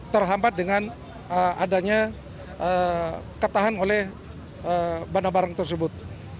terhampat dengan adanya ketahan oleh benda barang tersebut